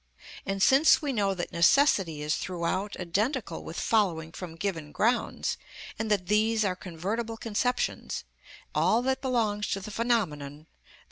And since we know that necessity is throughout identical with following from given grounds, and that these are convertible conceptions, all that belongs to the phenomenon, _i.